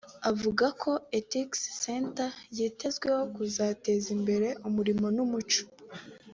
Avuga ko Ethics Center yitezweho kuzateza imbere umurimo n’umuco